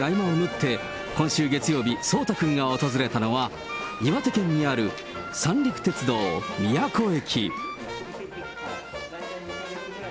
対局の忙しい合間を縫って、今週月曜日、聡太くんが訪れたのは、岩手県にある三陸鉄道宮古駅。